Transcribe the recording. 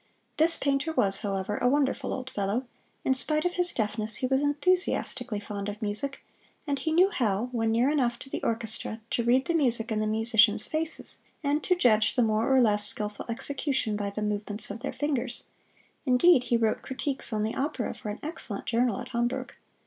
This painter was, however, a wonderful old fellow; in spite of his deafness he was enthusiastically fond of music, and he knew how, when near enough to the orchestra, to read the music in the musicians' faces, and to judge the more or less skilful execution by the movements of their fingers; indeed, he wrote critiques on the opera for an excellent journal at Hamburg.